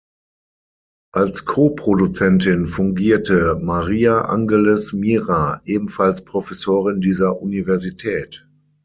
Als Ko-Produzentin fungierte María Ángeles Mira, ebenfalls Professorin dieser Universität.